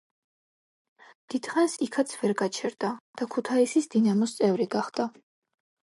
დიდხანს იქაც ვერ გაჩერდა და „ქუთაისის დინამოს“ წევრი გახდა.